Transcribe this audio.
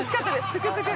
◆トゥクトゥク。